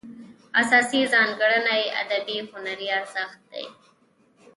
اساسي ځانګړنه یې ادبي هنري ارزښت دی.